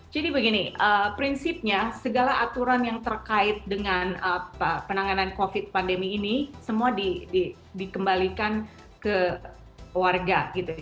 jadi begini prinsipnya segala aturan yang terkait dengan penanganan covid sembilan belas pandemi ini semua dikembalikan ke warga gitu